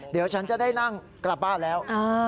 เดี๋ยวฉันจะได้นั่งกลับบ้านแล้ว